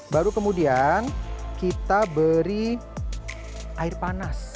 baru kemudian kita beri air panas